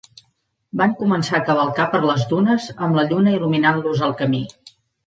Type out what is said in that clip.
Van començar a cavalcar per les dunes, amb la lluna il·luminant-los el camí.